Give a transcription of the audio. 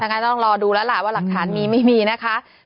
งั้นต้องรอดูแล้วล่ะว่าหลักฐานมีไม่มีนะคะ